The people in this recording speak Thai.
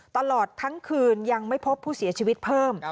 ตลอดทั้งคืนยังไม่พบผู้เสียชีวิตเพิ่ม